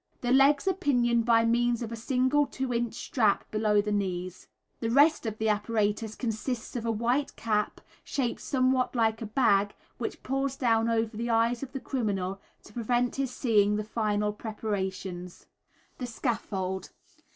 The legs are pinioned by means of a single two inch strap below the knees. The rest of the apparatus consists of a white cap, shaped somewhat like a bag, which pulls down over the eyes of the criminal to prevent his seeing the final preparations. [Illustration: Plan and elevation of the Drop.] The Scaffold.